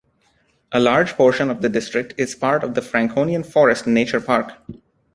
A large portion of the district is part of the Franconian Forest nature park.